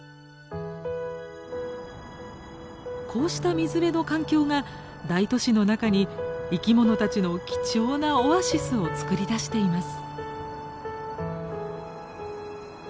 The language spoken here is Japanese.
こうした水辺の環境が大都市の中に生き物たちの貴重なオアシスを作り出しています。